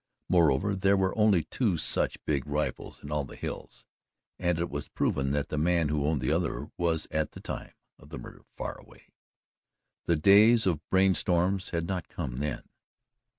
Moreover, there were only two such big rifles in all the hills, and it was proven that the man who owned the other was at the time of the murder far away. The days of brain storms had not come then.